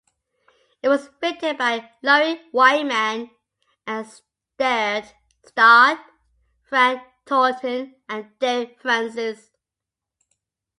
It was written by Lawrie Wyman and starred Frank Thornton and Derek Francis.